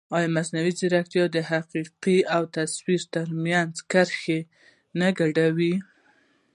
ایا مصنوعي ځیرکتیا د حقیقت او تفسیر ترمنځ کرښه نه ګډوډوي؟